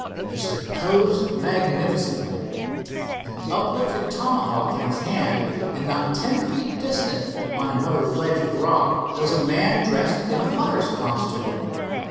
He stood posed magnificently, an uplifted tomahawk in his hand, and not ten feet distant on another ledge of rock was a man dressed in hunter's costume.